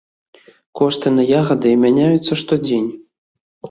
Кошты на ягады мяняюцца штодзень.